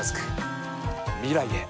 未来へ。